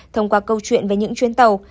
thông qua câu chuyện về những chuyến tàu